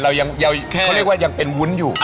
เรายังยังเขาเรียกว่ายังเป็นวุ้นอยู่